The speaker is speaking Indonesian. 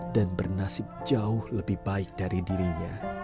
dan bernasib jauh lebih baik dari dirinya